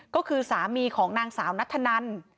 ก็คือสามีของนางสาวนัทธนัน